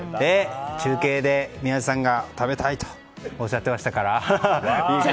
中継で宮司さんが食べたいとおっしゃってましたから。